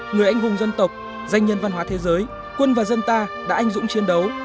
người anh hùng dân tộc danh nhân văn hóa thế giới quân và dân ta đã anh dũng chiến đấu